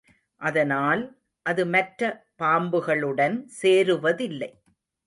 அதனால், அது மற்ற பாம்புகளுடன் சேருவதில்லை.